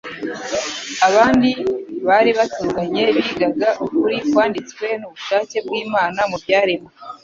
abandi bari baturuganye bigaga ukuri kwanditswe n'ubushake bw'Imana mu byaremwe,